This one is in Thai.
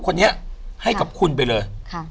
คนนี้ให้กับคุณไปเลย